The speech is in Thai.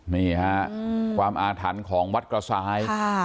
นี่ฮะความอาถรรพ์ของวัดกระซ้าย